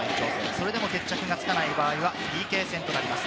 それでも決着がつかない場合はＰＫ戦となります。